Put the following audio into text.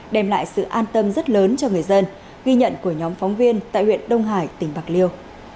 đem lại sự an tâm rất lớn cho người dân ghi nhận của nhóm phóng viên tại huyện đông hải tỉnh bạc liêu